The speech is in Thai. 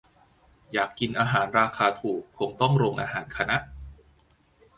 อยากกินอาหารราคาถูกคงต้องโรงอาหารคณะ